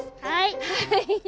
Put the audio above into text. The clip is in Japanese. はい。